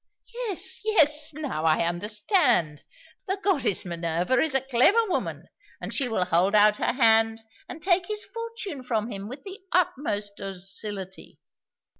"Yes, yes now I understand. The goddess Minerva is a clever woman, and she will hold out her hand and take his fortune from him with the utmost docility."